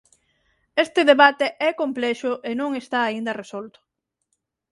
Este debate é complexo e non está aínda resolto.